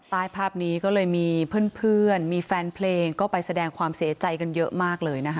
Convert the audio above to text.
ใต้ภาพนี้ก็เลยมีเพื่อนมีแฟนเพลงก็ไปแสดงความเสียใจกันเยอะมากเลยนะคะ